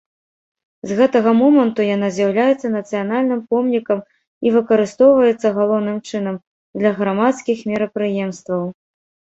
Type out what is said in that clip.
З гэтага моманту яна з'яўляецца нацыянальным помнікам і выкарыстоўваецца галоўным чынам для грамадскіх мерапрыемстваў.